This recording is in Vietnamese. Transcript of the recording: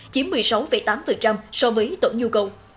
chiếm một mươi sáu tám so với tổn nhu cầu